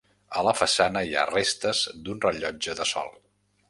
A la façana hi ha restes d'un rellotge de sol.